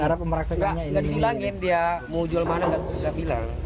gak gak dibilangin dia mau jual mana gak bilang